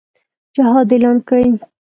جهاد اعلان کړي.